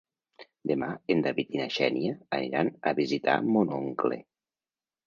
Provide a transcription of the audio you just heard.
Demà en David i na Xènia aniran a visitar mon oncle.